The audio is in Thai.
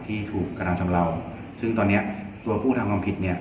ที่ถูกกระทำชำเลาซึ่งตอนเนี้ยตัวผู้ทำความผิดเนี่ย